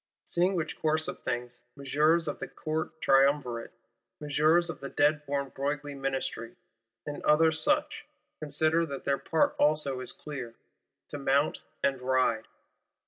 Seeing which course of things, Messeigneurs of the Court Triumvirate, Messieurs of the dead born Broglie Ministry, and others such, consider that their part also is clear: to mount and ride.